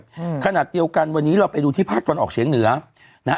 อืมขนาดเดียวกันวันนี้เราไปดูที่ภาคตะวันออกเฉียงเหนือนะฮะ